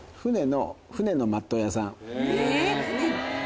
・えっ！